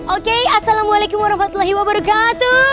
oke assalamualaikum warahmatullahi wabarakatuh